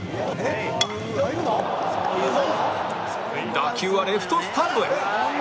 打球はレフトスタンドへ